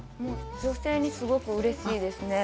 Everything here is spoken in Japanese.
◆女性にすごくうれしいですね。